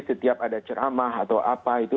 setiap ada ceramah atau apa itu